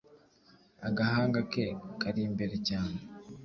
agahanga ke kari imbere cyane